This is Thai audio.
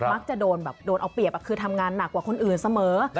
มักจะโดนแบบโดนเอาเปรียบคือทำงานหนักกว่าคนอื่นเสมอ